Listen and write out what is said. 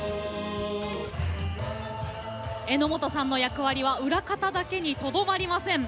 榎本さんの役割は裏方だけにとどまりません。